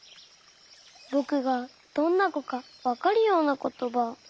ぼくがどんなこかわかるようなことば。